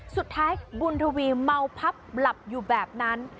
สุดท้ายบุญทวีเมาพับหลับอยู่แบบนั้น